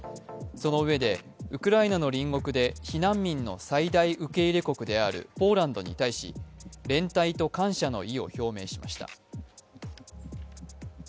そのうえでウクライナの隣国で避難民の最大受け入れ国であるポーランドに対し連帯と感謝の意を表明しました。